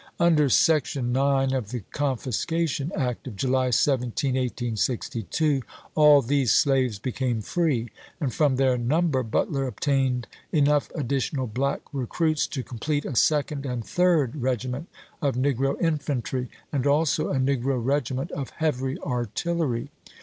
Under section nine of the Confiscation Act of July 17, 1862, all these slaves became free, and from their number Butler obtained enough additional black recruits to complete a second and third regi ment of negro infantry, and also a negro regiment of heavy artillery.